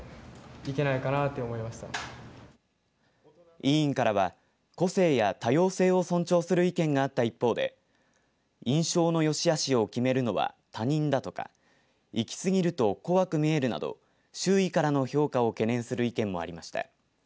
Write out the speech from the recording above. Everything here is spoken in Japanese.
委員からは個性や多様性を尊重する意見があった一方で印象のよしあしを決めるのは他人だとか行き過ぎると怖く見えるなど周囲からの評価を懸念する声もありました。